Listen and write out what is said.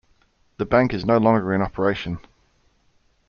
The bank is no longer in operation.